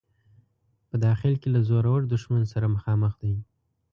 په داخل کې له زورور دښمن سره مخامخ دی.